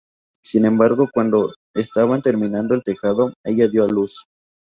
Sin embargo, cuando estaban terminando el tejado, ella dio a luz.